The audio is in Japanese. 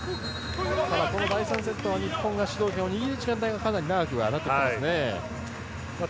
この第３セットは日本が主導権を握る時間帯がかなり長くはなってきました。